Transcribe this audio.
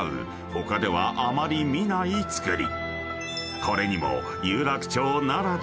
他ではあまり見ない造り］